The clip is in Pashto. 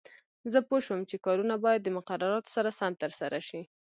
زه پوه شوم چې کارونه باید د مقرراتو سره سم ترسره شي.